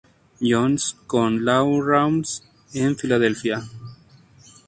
Jones con Lou Rawls, en Filadelfia.